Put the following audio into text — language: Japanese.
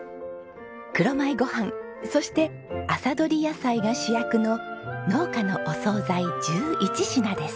黒米ごはんそして朝採り野菜が主役の農家のお惣菜１１品です。